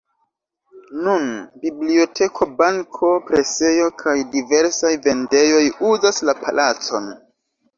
Nun biblioteko, banko, presejo kaj diversaj vendejoj uzas la palacon.